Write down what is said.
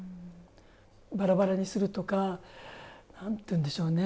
バラバラにするとかなんていうんでしょうね